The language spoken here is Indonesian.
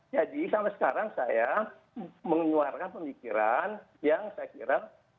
jadi sampai sekarang saya mengeluarkan pemikiran yang saya kira